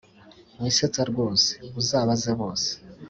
winsetsa rwose!! uzabaze bose